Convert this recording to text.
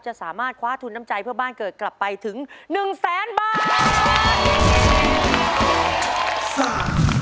จะสามารถคว้าทุนน้ำใจเพื่อบ้านเกิดกลับไปถึง๑แสนบาท